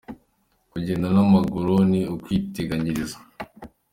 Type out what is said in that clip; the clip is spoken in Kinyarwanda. Kugenda n’amaguru ni ukwiteganyiriza